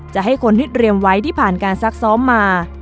จะให้คนที่เตรียมไว้ที่ผ่านการซักซ้อมมา